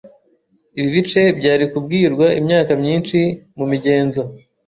Ibi bice byari kubwirwa imyaka myinshi mumigenzo